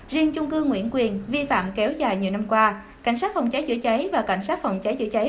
riêng trung cư nguyễn quyền vi phạm kéo dài nhiều năm qua cảnh sát phòng cháy chữa cháy và cảnh sát phòng cháy chữa cháy